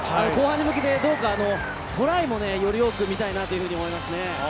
後半に向けてどうかトライもより多く見たいなと思いますね。